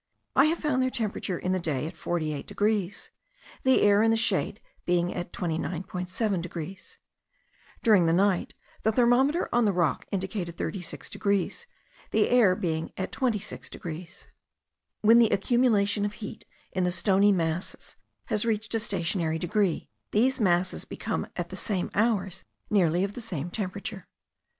I have found their temperature in the day at 48 degrees, the air in the shade being at 29.7 degrees; during the night the thermometer on the rock indicated 36 degrees, the air being at 26 degrees. When the accumulation of heat in the stony masses has reached a stationary degree, these masses become at the same hours nearly of the same temperature.